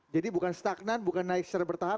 jadi bukan stagnant bukan naik secara bertahan